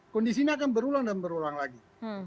kondisinya akan berulang dan berulang lagi